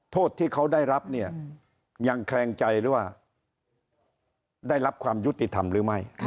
โทษที่เขาได้รับเนี่ยยังแคลงใจหรือว่าได้รับความยุติธรรมหรือไม่